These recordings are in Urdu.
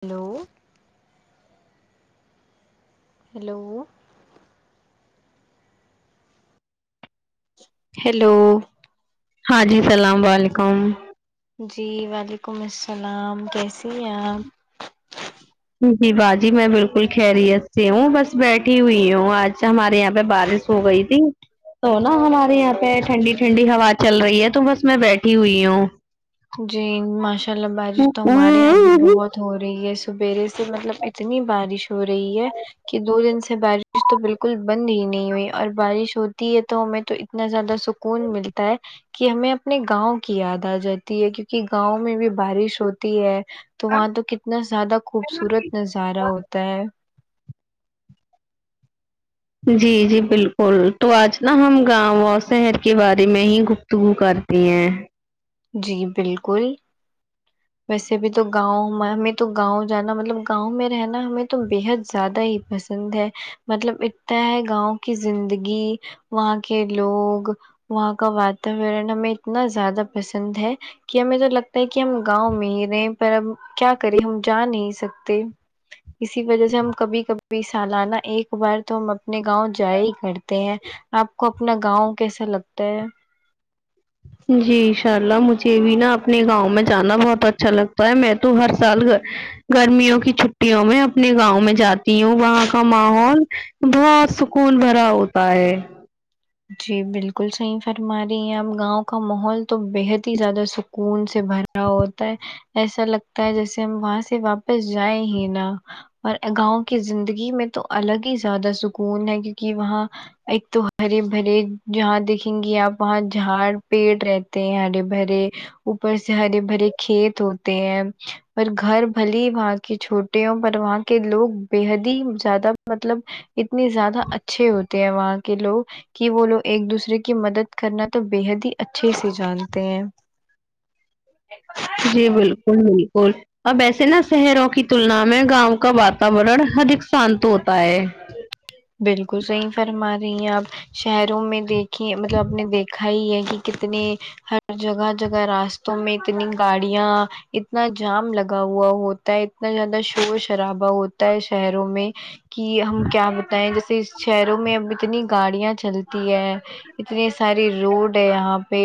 ہیلو ہیلو ہیلو ہاں جی السلام و علیکم جی وعلیکم السلام کیسی ہیں آپ جی باجی میں بالکل خیریت سے ہوں بس بیٹھی ہوئی ہوں آج ہمارے یہاں پہ بارش سو گئی تھی تو نا ہمارے یہاں پہ ٹھنڈی ٹھنڈی ہوا چل رہی ہے تو بس میں بیٹھی ہوئی ہوں جی ماشاء اللہ بارش تو ہمارے یہاں بھی بہت ہو رہی ہے سبیرے سے مطلب اتنی بارش ہو رہی ہے کہ دو دن سے بارش تو بالکل بند ہی نہیں ہوئی اور بارش ہوتی ہے تو ہمیں تو اتنا زیادہ سکون ملتا ہے کہ ہمیں اپنے گاؤں کی یاد آ جاتی ہے کیونکہ گاؤں میں بھی بارش ہوتی ہے تو وہاں تو کتنا زیادہ خوبصورت نظارہ ہوتا ہے جی جی بالکل تو آج نا ہم گاؤں اور شہر کے بارے میں ہی گ فتگو کرتی ہیں جی بالکل ویسے بھی تو گاؤں ہمیں تو گاؤں جانا مطلب گاؤں میں رہنا ہمیں تو بےحد زیادہ ہی پسند ہے مطلب اتنا ہے گاؤں کی زندگی وہاں کے لوگ وہاں کا واتاورن ہمیں اتنا زیادہ پسند ہے کہ ہمیں تو لگتا ہے کہ ہم گاؤں میں ہی رہیں پر اب کیا کریں ہم جا نہیں سکتے اسی وجہ سے ہم کبھی کبھی سالانہ ایک بار تو ہم اپنے گاؤں جا ہی کرتے ہیں آپ کو اپنا گاؤں کیسے لگتا ہے جی ان شاء اللہ مجھے بھی نا اپنے گاؤں میں جانا بہت اچھا لگتا ہے میں تو ہر سال گ گرمیوں کی چھٹیوں میں اپنے گاؤں میں جاتی ہوں وہاں کا ماحول بہت سکون بھرا ہوتا ہے جی بالکل صحیح فرما رہی ہیں آپ گاؤں کا ماحول تو بےحد ہی زیادہ سکون سے بھر ا ہوتا ہے ایسا لگتا ہے جیسے ہم وہاں سے واپس جائیں ہی نا اور گاؤں کی زندگی میں تو الگ ہی زیادہ سکون ہے کیون کی وہاں ایک تو ہرے بھرے جہاں دیکھیں گی آپ وہاں جھاڑ پیڑ رہتے ہیں ہرے بھرے اوپر سے ہرے بھرے کھیت ہوتے ہیں پر گھر بھلے وہاں کے چھوٹے ہو پر وہاں کے لوگ بےحد ہی زیادہ مطلب اتنے زیادہ اچھے ہوتے ہیں وہاں کے لوگ کی وہ لوگ ایک دوسرے کی مدد کرنا تو بےحد ہی اچھے سے جانتے ہیں جی بالکل بالکل اب ایسے نا شہروں کی تلنا میں گاؤں کا واتاورن ادھک سانت ہوتا ہے بالکل صحیح فرما رہی ہیں آپ شہروں میں دیکھین مطلب آپ نے دیکھا ہی ہے کی کتنے ہر جگہ جگہ راستوں میں اتنی گاڑیاں اتنا جام لگا ہوا ہوتا ہے اتنا زیادہ شور شرابا ہوتا ہے شہروں میں کی ہم کیا بتائیں جیسے شہروں میں اب اتنی گاڑیاں چلتی ہے اتنے سارے روڈ ہے یہاں پے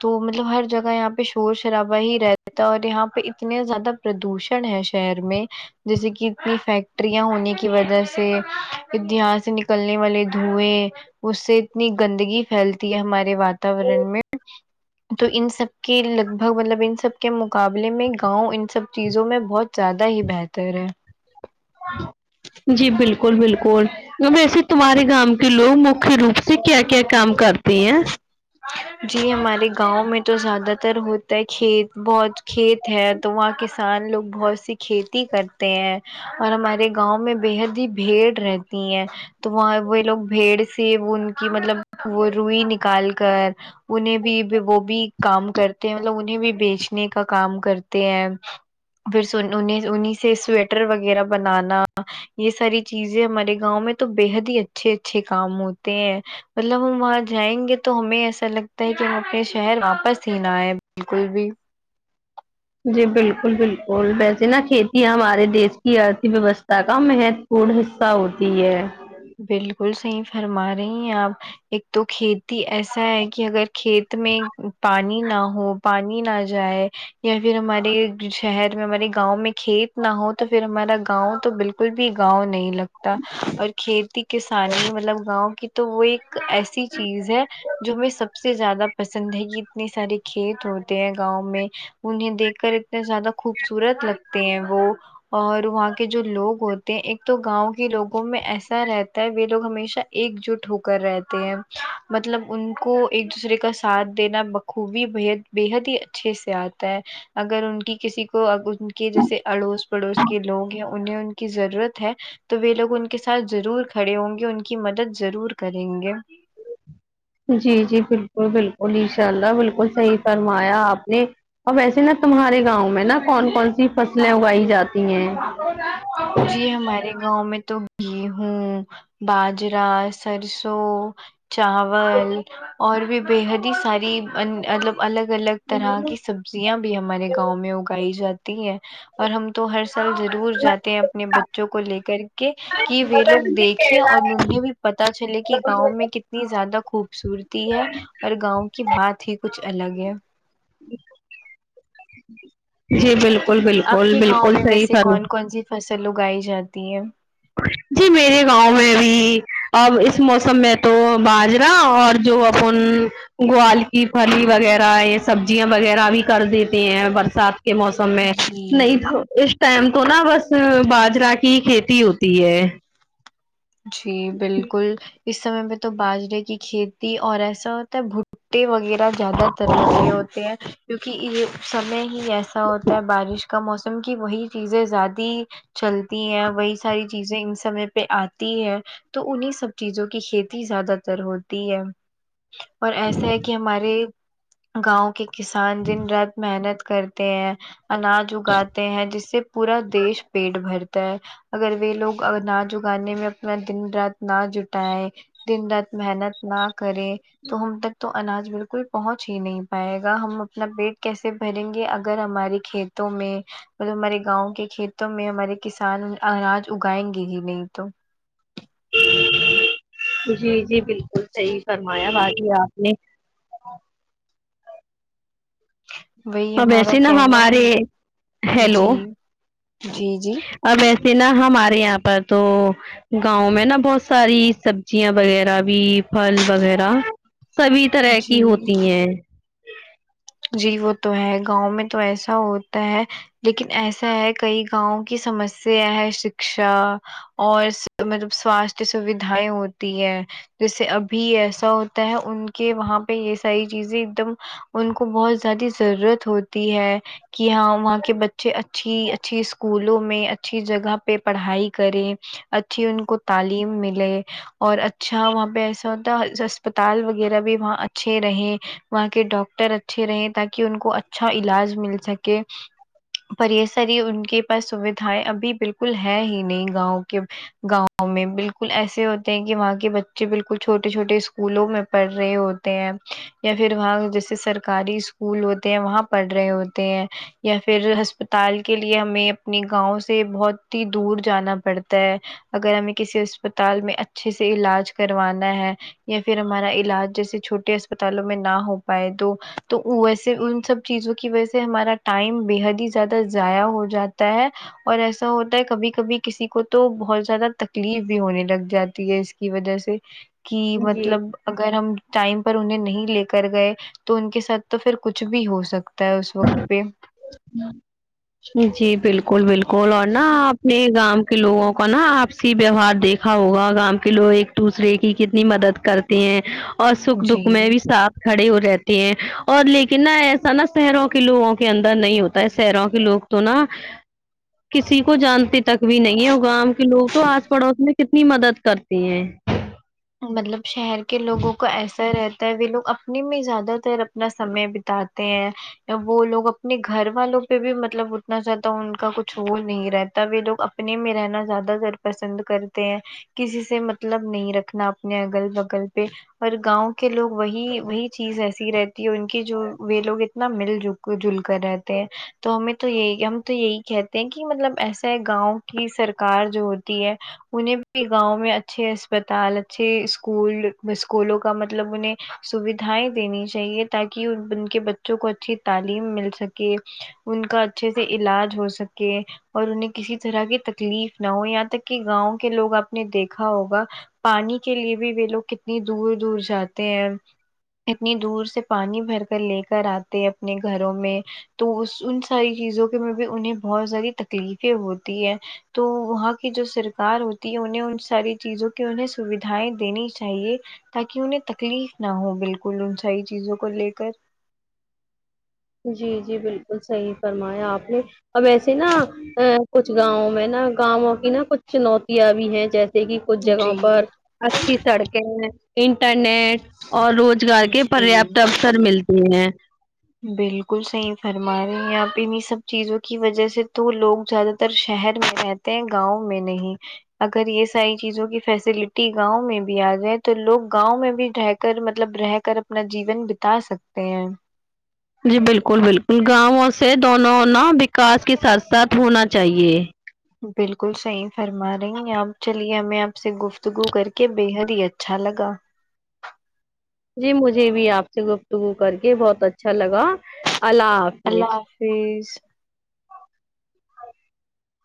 تو مطلب ہر جگہ یہاں پے شور شرابہ ہی رہتا ہے اور یہاں پے اتنے زیادہ پردوشن ہے شہر میں جیسے کی اتنی فیکٹریاں ہونے کی وجے سے دھیا سے نکلنے والے دھوئیں اس سے اتنی گندگی فیلتی ہے ہمارے واتاورن میں تو ان سب کے لگ بھگ مطلب ان سب کے مقابلے میں گاؤں ان سب چیزوں میں بہت زیادہ ہی بہتر ہے جی بالکل بالکل ویسے تمہارے گاؤں کے لوگ مکھیہ روپ سے کیا کیا کام کرتے ہیں جی ہمارے گاؤں میں تو زیادہ تر ہوتا ہے کھیت بہت کھیت ہے تو وہاں کسان لوگ بہت سی کھیتی کرتے ہیں اور ہمارے گاؤں میں بےحد ہی بھیڑ رہتی ہے تو وہاں وہ لوگ بھیڑ سے ان کی مطلب وہ روئی نکال کر انہیں بھی وہ بھی کام کرتے ہیں مطلب انہیں بھی بیچنے کا کام کرتے ہیں پھر سن انہیں انہیں سے سویٹر وغیرہ بنانا یے ساری چیزیں ہمارے گاؤں میں تو بےحد ہی اچھے اچھے کام ہوتے ہیں مطلب ہم وہاں جائیں گے تو ہمیں ایسا ایسا لگتا ہے کی ہم اپنے شہر واپس ہی نہ آئے بالکل بھی جی بالکل بالکل ویسے نا کھیتی ہمارے دیش کی ارتھ ویوستھا کا مہت پون حصہ ہوتی ہے بالکل صحیح فرما رہی ہیں آپ ایک تو کھیتی ایسا ہے کی اگر کھیت میں پانی نا ہو پانی نا جائے یا فیر ہمارے شہر میں ہمارے گاؤں میں کھیت نا ہو تو فیر ہمارا گاؤں تو بالکل بھی گاؤں نہیں لگتا اور کھیتی کسانی مطلب گاؤں کی تو وہ ایک ایسی چیز ہے جو ہمے سب سے زیادہ پسند ہے کی اتنے سارے کھیت ہوتے ہیں گاؤں میں انہیں دیکھ کر اتنے زیادہ خوبصورت لگتے ہیں وہ اور وہاں کے جو لوگ ہوتے ہیں ایک تو گاؤں کے لوگوں میں ایسا رہتا ہے وے لوگ ہمیشہ ایک جٹ ہو کر رہتے ہیں مطلب ان کو ایک دوسرے کا سات دینا باخوبی بےحد بےحد ہی اچھے سے آتا ہے اگر ان کی کسی کو کی جیسے اڑوس پڑوس کے لوگ ہیں انہیں ان کی ضرورت ہے تو وے لوگ ان کے ضرور کھڑے ہوں گے ان کی مدد ضرور کریں گے جی جی بالکل بالکل ان شاء اللہ بالکل صحیح فرمایا آپ نے اب ویسے نا تمہارے گاؤں میں نا کون کون سی فصلیں اگائی جاتی ہیں ہو جی ہمارے گاؤں میں تو گیہوں باجرا سرسوں چاول اور بھی بےحد ہی ساری مطلب الگ الگ طرح کی سب زیاں بھی ہمارے گاؤں میں اگائی جاتی ہیں اور ہم تو ہر سال ضرور جاتے ہیں اپنے بچوں کو لے کر کہ وے لوگ دیکھے اور انہیں بھی پتا چلے کہ گاؤں میں کتنی زیادہ خوبصورتی ہے اور گاؤں کی بات ہی کچھ الگ ہے جی بالکل بالکل آپ کے گاؤں بالکل میں صحی ویسے فر کون کون سی فصل اگائی جاتی ہے جی میرے گاؤں میں بھی اب اس موسم میں تو باجرا اور جو اپن گوال کی پھلی وغیرہ یہ سبجیاں وغیرہ بھی کر دیتے ہیں برسات کے موسم جی نہیں تو اس ٹائم تو نا بس باجرا کی کھیتی ہوتی ہے جی بالکل اس سمے میں تو باجرے کی کھیتی اور ایسا ہوتا ہے بھٹے وغیرہ زیادہ تر لگے ہوتے ہیں کیونک یہ سمے ہی ایسا ہوتا ہے بارش کا موسم کی وہی چیزیں زیادی چلتی ہیں وہی ساری چیزیں ان سمے پہ آتی ہے تو انہیں سب چیزوں کی کھیتی زیادہ تر ہوتی ہے اور ایسا ہے کہ ہمارے گاؤں کے کسان دن رات محنت کرتے ہیں اناج اگاتے ہیں جس سے پورا دیش پیٹ بھرتا ہے اگر وے لوگ اناچ اگانے میں اپنا دن رات نا جٹائے دن رات محنت نہ کرے تو ہم تک تو اناج بالکل پہنچ ہی نہیں پائے گا ہم اپنا پیٹ کیسے بھریں گے اگر ہماری کھیتوں میں مطلب ہمارے گاؤں کے کھیتوں میں ہمارے کسان اناج اگائیں گے ہی نہیں تو جی جی بالکل صحیح فرمایا باجی آپ نے وہی ا ب ہمارا ویسے نا کہنا ہے ہمارے ہیلو جی جی جی اب ایسے نا ہمارے یہاں پر تو گاؤں میں نا بہت ساری سبجیاں وغیرہ بھی پھل وغیرہ سبھی طرح کی جی ہوتی ہیں جی وہ تو ہے گاؤں میں تو ایسا ہوتا ہے لیکن ایسا ہے کئی گاؤں کی سمسیا ہے شکشا اور مطلب س سواستھ سویداحیں ہوتی ہے جیسے ابھی ایسا ہوتا ہے ان کے وہاں پہ یہ ساری چیزیں ایک دم ان کو بہت زیادی ضرورت ہوتی ہے کہ ہاں وہاں کے بچے اچھی اچھی اسکولوں میں اچھی جگہ پہ پڑھائی کریں اچھی ان کو تعلیم ملے اور اچھا وہاں پہ ایسا ہوتا اسپتال وغیرہ بھی وہاں اچھے رہے وہاں کے ڈاکٹر اچھے رہے تاکہ ان کو اچھا علاج مل سکے پر یہ ساری ان کے پاس سویدھائیں ابھی بالکل ہے ہی نہیں گاؤں کے گاؤں میں بالکل ایسے ہوتے ہیں کہ وہاں کے بچے بالکل چھوٹے چھوٹے اسکولوں میں پڑھ رہے ہوتے یا پھر وہاں جیسے سرکاری اسکول ہوتے ہیں وہاں پڑھ رہے ہوتے ہیں یا پھر ہسپتال کے لیے ہمیں اپنی گاؤں سے بہت ہی دور جانا پڑتا ہے اگر ہمیں کسی اسپتال میں اچھے سے علاج کروانا ہے یا پھر ہمارا علاج جیسے چھوٹے اسپتالوں میں نہ ہو پائے تو تو ویسے ان سب چیزوں کی وجہ سے ہمارا ٹائم بے حد ہی زیادہ ضائع ہو جاتا ہے اور ایسا ہوتا ہے کبھی کبھی کسی کو تو بہت زیادہ تکلیف بھی ہونے لگ جاتی ہے اس کی وجہ سے کی جی مطلب اگر ہم ٹائم پر انہیں نہیں لے کر گئے تو ان کے تک تو پھر کچھ بھی ہو سکتا ہے اس وقت پہ ہاں جی بالکل بالکل اور نا اپنے گاؤں کے لوگوں کو نا آپ ویوہار دیکھا ہوگا گاں کے لوگ ایک دوسرے کی کتنی مدد کرتے ہیں اور سکھ دکھ جی میں بھی ساتھ کھڑے ہو رہتے ہیں اور لیکن نا ایسا نا شہروں کے لوگوں کے اندر نہیں ہوتا ہے شہروں کے لوگ تو نا کسی کو جانتے تک بھی نہیں ہے گاں کے لوگ تو آس پڑوس میں کتنی مدد کر تے ہیں مطلب شہر کے لوگوں کو ایسا رہتا وہ لوگ اپنے میں زیادہ تر اپنا سمے بتاتے ہیں وہ لوگ اپنے گھر والوں پہ بھی مطلب اتنا زیادہ ان کا کچھ وہ نہیں رہتا وہ لوگ اپنے میں رہنا زیادہ تر پسند کرتے ہیں کسی سے مطلب نہیں رکھ رکھنا اپنے اگل بگل پہ اور گاؤں کے لوگ وہی وہی چیز ایسی رہتی ہے ان کی جو وہ لوگ اتنا مل جول مل جل کر رہتے ہیں تو ہمیں تو یہی ہم تو یہی کہتے ہیں کہ مطلب ایسا ہے گاؤں کی سرکار جو ہوتی ہے انہیں بھی گاؤں میں اچھے اسپ تال اچھے اسکول اسکولوں کا مطلب انہیں سویدھا یں دینی چاہیے تاکہ ان ان کے بچوں کو اچھی تعلیم مل سکے ان کا اچھے سے علاج ہو سکے اور انہیں کسی طرح کی تکلیف نہ ہو یہاں تک کہ گاؤں کے لوگ آپ نے دیکھا ہوگا پانی کے لیے بھی یہ لوگ کتنی دور دور جاتے ہیں اتنی دور سے پانی بھر کر لے کر آتے اپنے گھروں میں تو اس ان ساری چیزوں کے بھی انہیں بہت ساری تکلیفیں ہوتی ہے تو وہاں کی جو سرکار ہوتی ہے انہیں ان ساری چیزوں کی انہیں سویدھایں دینی چاہیے تاکہ انہیں تکلیف نہ ہو بالکل ان ساری چیزوں کو لے کر جی جی بالکل صحیح فرمایا آپ نے اب ایسے نا ا کچھ گاؤں میں نا گاؤں کی نا کچھ چنوتیاں بھی ہیں جیسے کی کچھ جگہوں جی پر اچھی سڑکیں انٹرنیٹ اور روز گار کے جی پریاپت اوفسر ملتے ہیں بالکل صحیح فرما رہی ہیں آپ انہی سب چیزوں کی وجہ سے تو لوگ زیادہ تر شہر میں رہ تے گاؤں میں نہیں اگر یہ ساری چیزوں کی فیسلٹی گاؤں میں بھی آ گئے تو لوگ گاؤں میں بھی رہ کر مطلب رہ کر اپنا جیون بتا سکتے ہیں جی بالکل بالکل گاؤں سے دونوں نا وکاس کے ساتھ ساتھ ہونا چاہیے بالکل صحیح فرما رہی ہیں آپ چلیے ہمیں آپ سے گفتگو کر کے بےحد ہی اچھا لگا جی مجھے بھی آپ سے گفتگو کر کے بہت اچھا لگا اللہ حا اللہ حافظ